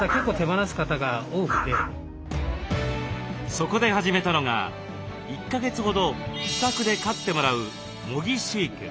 そこで始めたのが１か月ほど自宅で飼ってもらう模擬飼育。